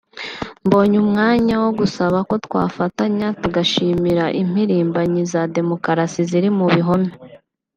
Mboneyemo umwanya wo gusaba ko twafatanya tugashimira impirimbanyi za demokarasi ziri mu bihome